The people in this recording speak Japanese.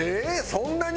そんなに？